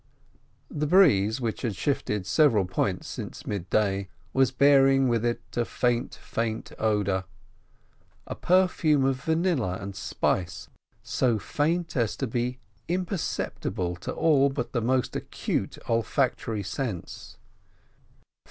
The breeze, which had shifted several points since midday, was bearing with it a faint, faint odour: a perfume of vanilla and spice so faint as to be imperceptible to all but the most acute olfactory sense.